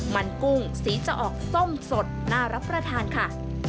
มันกุ้งสีจะออกส้มสดน่ารับประทานค่ะ